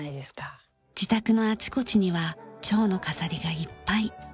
自宅のあちこちにはチョウの飾りがいっぱい。